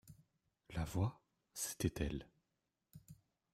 La voix, c’était elle.